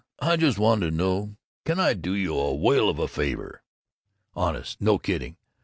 I just want to know can I do you a whaleuva favor? Honest! No kidding!